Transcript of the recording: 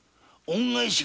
恩返し？